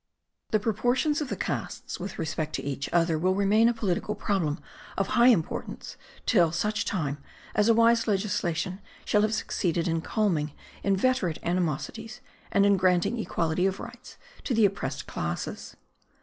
The proportions of the castes with respect to each other will remain a political problem of high importance till such time as a wise legislation shall have succeeded in calming inveterate animosities and in granting equality of rights to the oppressed classes.